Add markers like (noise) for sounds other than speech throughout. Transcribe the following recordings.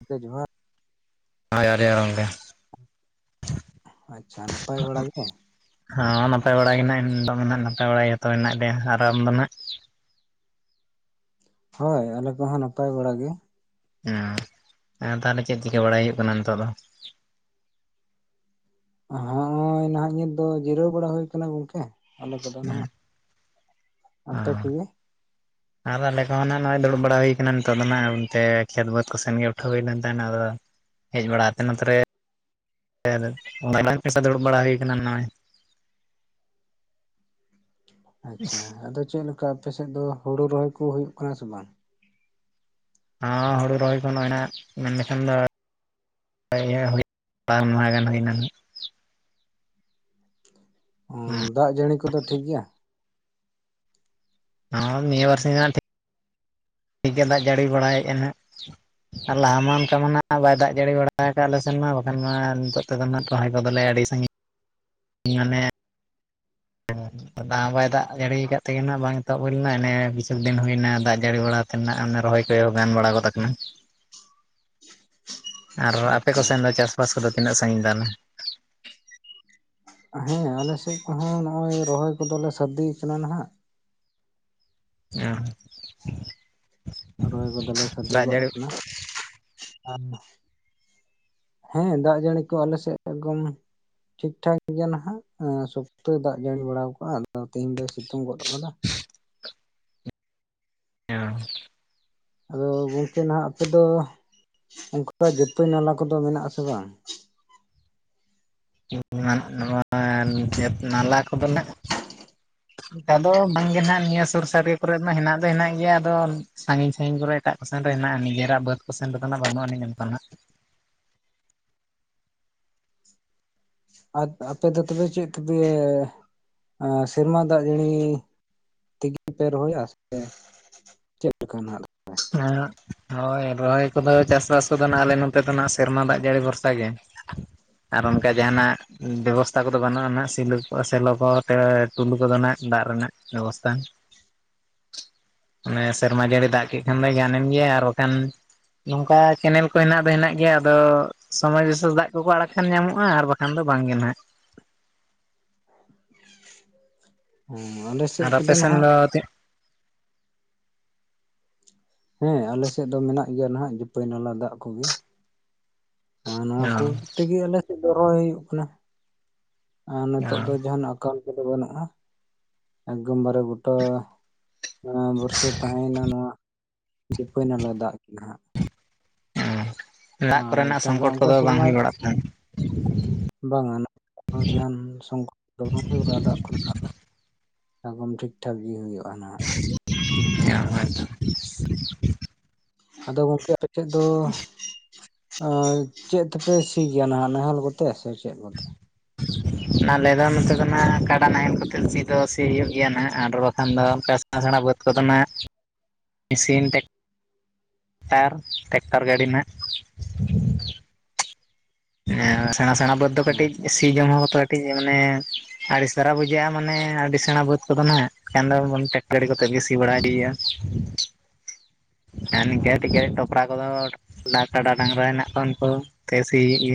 ᱜᱚᱝᱠᱮ ᱡᱚᱦᱟᱨ, (unintelligible) ᱜᱚᱝᱠᱮ ᱟᱪᱪᱷᱟ ᱱᱟᱯᱟᱭ ᱵᱟᱲᱟ ᱜᱮ? ᱦᱚ ᱱᱟᱯᱟᱭ ᱵᱟᱲᱟ ᱜᱮ (unintelligible) ᱱᱟᱯᱟᱭ ᱵᱟᱲᱟ ᱜᱮ ᱡᱚᱛᱚ ᱦᱮᱱᱟᱜ ᱞᱮᱭᱟ ᱟᱨ ᱟᱢᱫᱚ ᱱᱟᱜ? ᱦᱳᱭ ᱟᱞᱮ ᱠᱚᱦᱚᱸ ᱱᱟᱯᱟᱭ ᱵᱟᱲᱟ ᱜᱮ᱾ ᱦᱚ ᱛᱟᱦᱚᱞᱮ ᱪᱮᱫ ᱪᱤᱠᱟᱹ ᱵᱟᱲᱟᱭ ᱦᱩᱭᱩᱜ ᱠᱟᱱᱟ ᱱᱤᱛᱚᱜ ᱫᱚ? ᱦᱳᱭ ᱱᱟᱦᱟᱜ ᱱᱤᱛ ᱫᱚ ᱡᱤᱨᱟᱹᱣ ᱵᱟᱲᱟ ᱦᱩᱭ ᱟᱠᱟᱱᱟ ᱜᱚᱝᱠᱮ᱾ ᱟᱞᱮ ᱠᱚᱫᱚ ᱱᱟᱜ ᱚ ᱟᱯᱮ ᱠᱚᱜᱮ? ᱟᱨ ᱟᱞᱮ ᱠᱚᱦᱚᱸ ᱱᱟᱜ ᱱᱚᱜ-ᱚᱭ ᱫᱩᱲᱩᱵ ᱵᱟᱲᱟ ᱦᱩᱭᱠᱟᱱᱟ ᱱᱤᱛᱚᱜ ᱫᱚ ᱱᱟᱜ ᱚᱱᱛᱮ ᱠᱷᱮᱛ ᱵᱟᱹᱫᱽ ᱠᱚ ᱥᱮᱱᱜᱮ ᱩᱴᱷᱟᱹᱣ ᱦᱩᱭ ᱞᱮᱱ ᱛᱟᱦᱮᱱᱟ, ᱟᱫᱚ ᱦᱮᱡ ᱵᱟᱲᱟ ᱟᱛᱮᱫ ᱱᱚᱛᱮᱨᱮ ᱚᱱᱟ ᱞᱟᱝ ᱯᱮᱥᱟ ᱫᱩᱲᱩᱵ ᱵᱟᱲᱟ ᱦᱩᱭ ᱠᱟᱱᱟ ᱱᱚᱜ-ᱚᱭ ᱾ ᱟᱪᱪᱷᱟ ᱟᱫᱚ ᱪᱮᱫ ᱞᱮᱠᱟ ᱟᱯᱮ ᱥᱮᱫ ᱫᱚ ᱦᱩᱲᱩ ᱨᱚᱦᱚᱭ ᱠᱚ ᱦᱩᱭᱩᱜ ᱠᱟᱱᱟ ᱥᱮ ᱵᱟᱝ? ᱦᱮᱸ ᱦᱩᱲᱩ ᱨᱚᱦᱚᱭ ᱠᱷᱚᱱᱟᱜ ᱢᱮᱱᱞᱠᱷᱟᱱ ᱫᱚ (inaudible) ᱦᱩᱸ ᱫᱟᱜ ᱡᱟᱹᱲᱤ ᱠᱚᱫᱚ ᱴᱷᱤᱠ ᱜᱮᱭᱟ? (inaudible) ᱴᱷᱤᱠ ᱜᱮᱭᱟ ᱫᱟᱜ ᱡᱟᱹᱲᱤ ᱵᱟᱲᱟᱭᱮᱫ-ᱟ ᱱᱟᱦᱟᱸᱜ᱾ ᱟᱨ ᱞᱟᱦᱟ ᱢᱟ ᱚᱱᱠᱟ ᱢᱟ ᱵᱟᱭ ᱫᱟᱜ ᱡᱟᱹᱲᱤ ᱵᱟᱲᱟ ᱟᱠᱟᱫ-ᱟ ᱟᱞᱮ ᱥᱮᱱ ᱢᱟ ᱵᱟᱠᱷᱟᱱ ᱢᱟ ᱱᱤᱛᱚᱜ ᱡᱚᱛᱚ ᱠᱚ ᱨᱮᱱᱟᱜ ᱨᱚᱦᱚᱭ ᱠᱚᱫᱚᱞᱮ ᱟᱹᱰᱤ ᱥᱟᱺᱜᱤᱧ ᱢᱟᱱᱮ ᱫᱟᱜ ᱵᱟᱭ ᱫᱟᱜ ᱡᱟᱹᱲᱤ ᱠᱟᱫ ᱛᱮᱜᱮ ᱱᱟᱜ ᱵᱟᱝ ᱮᱛᱚᱵ ᱦᱩᱭ ᱞᱮᱱᱟ ᱚᱱᱮ ᱠᱤᱪᱷᱩ ᱫᱤᱱ ᱦᱩᱭᱱᱟ ᱫᱟᱜ ᱡᱟᱹᱲᱤ ᱵᱟᱲᱟ ᱱᱟᱜ (unintelligible) ᱨᱚᱦᱚᱭ ᱠᱚ ᱜᱟᱱ ᱵᱟᱲᱟ ᱜᱚᱫ ᱠᱟᱱᱟ᱾ ᱟᱨ ᱟᱯᱮ ᱟᱪᱪᱷᱟ ᱠᱚ ᱥᱮᱱ ᱫᱚ ᱪᱟᱥᱵᱟᱥ ᱠᱚᱫᱚ ᱛᱤᱱᱟᱹᱜ ᱥᱟᱺᱜᱤᱧ ᱱᱟ? ᱦᱮᱸ ᱟᱞᱮ ᱥᱮᱫ ᱠᱚᱦᱚᱸ ᱱᱚᱜ-ᱚᱭ ᱨᱚᱦᱚᱭ ᱠᱚᱫᱚᱞᱮ ᱥᱟᱨᱫᱤᱭ ᱠᱟᱱᱟ ᱱᱟᱦᱟᱸᱜ᱾ (unintelligible) ᱨᱚᱦᱚᱭ ᱠᱚᱫᱚᱞᱮ ᱥᱟᱫᱤ ᱫᱟᱜ ᱜᱚᱫ ᱡᱟᱹᱲᱤ ᱠᱟᱱᱟ ᱦᱮᱸ ᱫᱟᱜ ᱡᱟᱹᱲᱤ ᱠᱚ ᱟᱞᱮ ᱥᱮᱫ ᱮᱠᱫᱚᱢ ᱴᱷᱤᱠᱴᱷᱟᱠ ᱜᱮᱭᱟ ᱱᱟᱦᱟᱸᱜ ᱥᱚᱠᱛᱚᱭ ᱫᱟᱜ ᱡᱟᱹᱲᱤ ᱵᱟᱲᱟᱠᱟᱜ-ᱟ ᱟᱫᱚ ᱛᱮᱦᱤᱧ ᱫᱚᱭ ᱥᱤᱛᱩᱝ ᱜᱚᱫ ᱟᱠᱟᱫᱟ᱾ (unintelligible) ᱟᱫᱚ ᱜᱚᱝᱠᱮ ᱱᱟᱦᱟᱸᱜ ᱟᱯᱮ ᱫᱚ ᱚᱱᱠᱟ ᱡᱟᱹᱯᱟᱹᱭ ᱱᱟᱞᱟ ᱠᱚᱫᱚ ᱢᱮᱱᱟᱜ ᱟᱥᱮ ᱵᱟᱝ? ᱱᱚᱣᱟ ᱱᱟᱞᱟ ᱠᱚᱫᱚ ᱱᱟᱜ ᱟᱫᱚ ᱵᱟᱝᱜᱮ ᱱᱟᱜ ᱱᱤᱭᱟᱹ ᱥᱩᱨ ᱥᱟᱹᱨᱤᱭᱟᱹ ᱠᱚᱨᱮ ᱫᱚ ᱦᱮᱱᱟᱜ ᱫᱚ ᱦᱮᱱᱟᱜ ᱜᱮᱭᱟ ᱟᱫᱚ ᱥᱟᱺᱜᱤᱧ ᱥᱟᱺᱤᱧ ᱠᱚᱨᱮ ᱮᱴᱟᱜ ᱠᱚᱥᱮᱱ ᱨᱮ ᱦᱮᱱᱟᱜ-ᱟ ᱤᱡᱮᱨᱟᱜ ᱵᱟᱹᱫ ᱠᱚᱥᱮᱱ ᱨᱮᱫᱚ ᱱᱟᱜ ᱵᱟᱹᱱᱩᱜ-ᱟᱹ ᱱᱤᱡ ᱚᱱᱟᱜ ᱟᱨ ᱟᱯᱮ ᱫᱚ ᱛᱚᱵᱮ ᱪᱮᱫ ᱛᱮᱯᱮ ᱥᱮᱨᱢᱟ ᱫᱟᱜ ᱡᱟᱹᱲᱤ ᱛᱮᱜᱮ ᱯᱮ ᱨᱚᱦᱚᱭᱟ ᱥᱮ ᱪᱮᱫ ᱞᱮᱠᱟᱱᱟᱜ? ᱦᱮ ᱦᱳᱭ ᱨᱚᱦᱚᱭ ᱠᱚᱫᱚ ᱪᱟᱥᱵᱟᱥ ᱠᱚᱫᱚ ᱱᱟᱜ ᱟᱞᱮ ᱱᱚᱛᱮ ᱫᱚ ᱱᱟᱜ ᱥᱮᱨᱢᱟ ᱫᱟᱜ ᱡᱟᱹᱲᱤ ᱵᱷᱚᱨᱥᱟᱮ ᱟᱨ ᱚᱱᱠᱟ ᱡᱟᱦᱟᱱᱟᱜ ᱵᱮᱵᱚᱥᱛᱟ ᱠᱚᱫᱚ ᱵᱟᱹᱱᱩᱜ-ᱟ ᱱᱟᱦᱟᱸᱜ ᱥᱤᱞ ᱥᱮᱞᱚ ᱠᱚ ᱛᱮ ᱴᱩᱞᱩ ᱠᱚᱫᱚ ᱦᱱᱟᱜ ᱫᱟᱜ ᱨᱮᱱᱟᱜ ᱵᱮᱵᱚᱥᱛᱟᱷᱟ᱾ ᱟᱱᱮ ᱥᱮᱨᱢᱟ ᱡᱟᱹᱲᱤ ᱫᱟᱜ ᱠᱮᱫ ᱠᱷᱟᱱ ᱫᱚ ᱜᱟᱱᱮᱱ ᱜᱮᱭᱟ ᱟᱨ ᱵᱟᱠᱷᱟᱱ ᱱᱚᱝᱠᱟ ᱠᱮᱱᱮᱞ ᱠᱚ ᱦᱮᱱᱟᱜ ᱫᱚ ᱦᱮᱱᱟᱜ ᱜᱮᱭᱟ ᱟᱫᱚ ᱥᱚᱢᱚᱭ ᱵᱤᱥᱮᱥ ᱫᱟᱜ ᱠᱚᱠᱚ ᱟᱲᱟᱜ ᱠᱷᱟᱱ ᱧᱟᱢᱚᱜ-ᱟ, ᱟᱨ ᱵᱟᱠᱷᱟᱱ ᱠᱷᱟᱱ ᱫᱚ ᱵᱟᱝᱜᱮ ᱱᱟᱜ᱾ ᱦᱸᱩ ᱟᱞᱮ ᱥᱮᱫ ᱟᱨ ᱟᱯᱮ ᱠᱚᱫᱚ ᱥᱮᱱ ᱱᱟᱦᱟᱸᱜ ᱫᱚ ᱛᱤᱱ ᱦᱮᱸ ᱟᱞᱮᱥᱮᱜ ᱫᱚ ᱢᱮᱱᱟᱜ ᱜᱮᱭᱟ ᱱᱟᱦᱟᱜ ᱡᱩᱛᱟᱹᱭ ᱱᱟᱞᱟ ᱫᱟᱜ ᱠᱚᱜᱮ᱾ ᱟᱨ ᱱᱚᱣᱟ ᱠᱩ ᱛᱮᱜᱮ ᱟᱞᱮ ᱥᱮᱜ ᱫᱚ ᱨᱚᱦᱚᱭ ᱦᱩᱭᱩᱜ ᱠᱟᱱᱟ ᱟᱨ ᱱᱤᱛᱚᱜ ᱫᱚ ᱡᱟᱦᱟᱱᱟᱜ ᱠᱟᱞ ᱠᱚᱫᱚ ᱵᱟᱹᱱᱩᱜᱼᱟ ᱮᱠᱫᱚᱢ ᱵᱟᱨᱮ ᱜᱩᱴᱟ ᱵᱚᱨᱥᱟ ᱛᱟᱦᱮᱸᱭᱮᱱᱟ ᱱᱚᱣᱟ ᱨᱩᱯᱟᱹᱭ ᱱᱟᱞᱟ ᱫᱟᱜ ᱜᱮ ᱱᱟᱦᱟᱜ᱾ ᱫᱟᱜ ᱟᱨ ᱠᱚᱨᱮᱱᱟᱜ ᱮᱴᱟᱜᱟᱜ ᱥᱚᱝᱠᱚᱴ ᱚᱱᱠᱟ ᱠᱚᱫᱚ ᱵᱟᱝ ᱥᱮᱨᱢᱟ ᱦᱩᱭ ᱵᱟᱲᱟᱜ ᱠᱟᱱ ᱵᱟᱝᱟ ᱡᱟᱦᱟᱱ ᱥᱚᱨᱠᱟᱨ (unintelligible) ᱫᱟᱜ ᱠᱚᱨᱮᱱᱟᱜ ᱫᱚ᱾ ᱮᱚᱠᱚᱢ ᱴᱷᱤᱠ ᱴᱷᱟᱠ ᱜᱤ ᱦᱩᱭᱩᱜᱼᱟ ᱱᱟᱦᱟᱜ᱾ (inaudible) ᱟᱫᱚ ᱜᱚᱢᱠᱮ ᱟᱯᱮ ᱴᱷᱮᱜ ᱫᱚ ᱪᱷᱟ ᱪᱮᱜ ᱛᱮᱯᱮ ᱥᱤᱭ ᱜᱮᱭᱟ ᱱᱟᱦᱟᱜ ᱱᱟᱮᱦᱮᱞ ᱠᱚᱛᱮ ᱥᱮ ᱪᱮᱫ ᱠᱚᱛᱮ? (inaudible) ᱟᱞᱮ ᱫᱚ ᱱᱚᱛᱮ ᱫᱚ ᱱᱟᱦᱜ ᱠᱟᱰᱟ ᱱᱟᱦᱮᱞ ᱠᱟᱛᱮ ᱥᱤ ᱫᱚ ᱥᱤ ᱦᱩᱭᱩᱜ ᱜᱮᱭᱟ ᱱᱟᱦᱟᱜ ᱟᱨ ᱵᱟᱠᱷᱟᱱ ᱫᱚ ᱚᱝᱠᱟ (unintelligible) ᱵᱟᱹᱫᱽ ᱠᱚᱫᱚᱱᱟᱜ ᱢᱮᱥᱤᱱ ᱴᱮᱠ ᱴᱟᱨ ᱴᱮᱠᱴᱟᱨ ᱜᱟᱹᱰᱤ ᱱᱟᱦᱟᱜ ᱦᱮ ᱥᱮᱬᱟ ᱥᱮᱬᱟ ᱵᱟᱹᱫᱽ ᱫᱚ ᱠᱟᱹᱴᱤᱡ ᱥᱤ ᱡᱚᱢ ᱦᱚᱸᱛ ᱠᱟᱹᱴᱤᱡ ᱢᱟᱱᱮ ᱟᱹᱰᱤ ᱥᱟᱨᱟ ᱵᱩᱡᱷᱟᱹᱜᱼᱟ ᱢᱟᱱᱮ ᱟᱹᱰᱤ ᱥᱮᱬᱟ ᱵᱟᱹᱫᱽ ᱠᱚᱫᱚ ᱱᱟᱦᱟᱜ ᱠᱷᱟᱱ ᱫᱚ ᱴᱮᱠ ᱜᱟᱹᱰᱤ ᱠᱚᱛᱮᱜ ᱜᱮ ᱥᱤ ᱵᱟᱲᱟᱭ ᱦᱩᱭᱩᱜᱼᱟ᱾ ᱟᱨ ᱱᱤᱝᱠᱟᱹ ᱴᱷᱤᱠᱟᱹ ᱴᱚᱯᱨᱟ ᱠᱚᱫᱚ ᱴᱟᱠ ᱠᱟᱰᱟ ᱰᱟᱝᱨᱟ ᱦᱮᱱᱟᱜ ᱠᱚᱣᱟ ᱩᱱᱠᱩ ᱛᱮ ᱥᱤ (inaudible)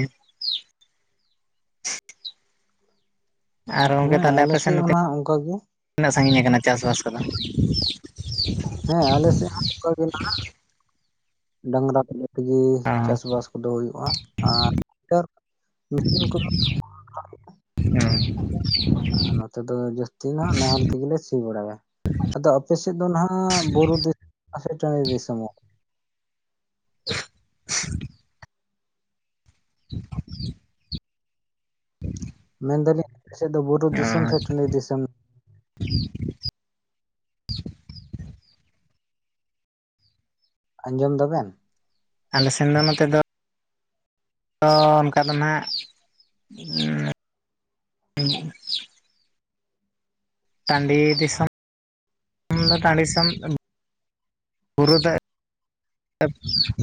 ᱟᱨ ᱜᱚᱝᱠᱮ ᱦᱮᱸ ᱛᱟᱦᱚᱞᱮ ᱟᱞᱮ ᱟᱯᱮ ᱥᱮᱱ ᱥᱮᱫ ᱦᱚᱸ ᱱᱚᱛᱮ ᱱᱟᱦᱟᱜ ᱚᱱᱠᱟ ᱜᱮ ᱛᱤᱱᱟᱹᱜ ᱥᱟᱜᱤᱧ ᱟᱠᱟᱱᱟ ᱪᱟᱥ ᱵᱟᱥ ᱠᱚᱫᱚ? ᱦᱮᱸ ᱟᱞᱮ ᱥᱮᱜ ᱦᱚᱸ ᱱᱚᱝᱠᱟ ᱜᱮ ᱱᱟᱦᱟᱜ ᱰᱟᱝᱨᱟ ᱛᱮᱜᱤ ᱚ ᱪᱟᱥ ᱵᱟᱥ ᱠᱚᱫᱚ ᱦᱩᱭᱩᱜᱼᱟ, ᱟᱨ (unintelligible) (inaudible) ᱦᱩᱸ᱾ ᱟᱨ ᱱᱚᱛᱮ ᱫᱚ ᱡᱟᱹᱥᱛᱤ ᱱᱟᱦᱟᱸᱜ ᱱᱟᱦᱮᱞ ᱛᱮᱜᱤ ᱞᱮ ᱥᱤ ᱵᱟᱲᱟᱭᱟ᱾ ᱟᱫᱚ ᱟᱯᱮ ᱥᱮᱜ ᱫᱚ ᱱᱟᱦᱟᱜ ᱵᱩᱨᱩ ᱫᱤᱥ (unintelligible) ᱴᱟᱺᱰᱤ ᱫᱤᱥᱚᱢᱚᱜ? (inaudible) (inaudible) (inaudible) ᱢᱮᱱ ᱫᱟᱹᱞᱤᱧ ᱟᱯᱮ ᱥᱮᱜ ᱫᱚ ᱵᱩᱨᱩ ᱫᱤᱥᱚᱢ ᱥᱮ ᱴᱟᱺᱰᱤ ᱫᱤᱥᱚᱢ? (inaudible) ᱟᱸᱡᱚᱢ ᱫᱟᱵᱮᱱ? ᱟᱞᱮ ᱥᱮᱱ ᱫᱚ ᱱᱚᱛᱮ ᱫᱚ ᱛᱚ ᱚᱱᱠᱟ ᱫᱚ ᱱᱟᱦᱟᱜ ᱴᱟᱺᱰᱤ ᱫᱤᱥᱚᱢ ᱫᱚ ᱴᱟᱺᱰ ᱫᱤᱥᱚᱢ ᱠᱟᱱᱟ ᱵᱩᱨᱩ ᱫᱚ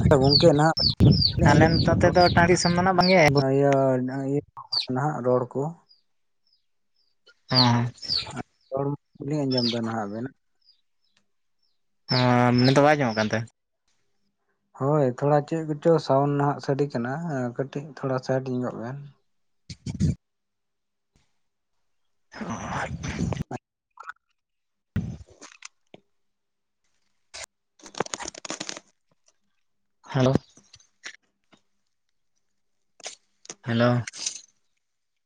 ᱟᱪᱪᱷᱟ ᱜᱚᱝᱠᱮ ᱱᱟᱦᱟᱜ ᱟᱞᱮ ᱱᱚᱛᱮ ᱛᱮᱫᱚ ᱴᱟᱺᱰᱤ ᱫᱤᱥᱚᱢ ᱫᱚ ᱱᱟᱜ ᱵᱟᱝ ᱜᱮ ᱤᱭᱟ ᱰᱟᱝᱨᱤ ᱱᱟᱦᱟᱜ ᱨᱚᱲ ᱠᱩ᱾ ᱦᱩᱸ᱾ ᱨᱚᱲ ᱠᱚᱞᱤᱧ ᱟᱸᱡᱚᱢ ᱮᱫᱟ ᱱᱟᱦᱟᱜ ᱵᱮᱱ ᱚ ᱱᱤᱛᱚᱜ ᱵᱟᱝ ᱟᱡᱚᱢᱚᱜ ᱠᱟᱱ ᱛᱟᱦᱮᱸ? ᱦᱳᱭ ᱛᱷᱚᱲᱟ ᱪᱮᱜ ᱠᱚᱪᱚ ᱥᱟᱣᱩᱱ ᱱᱟᱦᱟᱜ ᱥᱟᱰᱤ ᱠᱟᱱᱟ ᱠᱟᱹᱴᱤᱡ ᱛᱷᱚᱲᱟ ᱥᱟᱭᱤᱴ ᱧᱚᱜᱚᱜ ᱵᱮᱱ᱾ (inaudible) (inaudible) ᱦᱮᱞᱳ᱾ ᱦᱮᱞᱳ᱾